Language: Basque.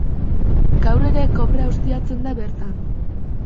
Gaur ere ere kobrea ustiatzen da bertan.